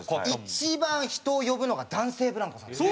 一番人を呼ぶのが男性ブランコさんなんです。